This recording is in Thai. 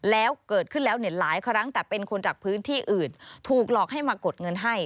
แล้วเกิดขึ้นแล้วเนี่ยหลายครั้งแต่เป็นคนจากพื้นที่อื่นถูกหลอกให้มากดเงินให้